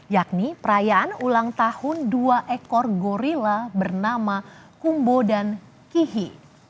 yakni perayaan ulang tahun dua ekor gorilla bernama kumbo dan kihi